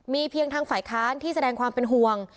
มีเพียงทางฝ่ายค้านที่แสดงความเป็นห่วง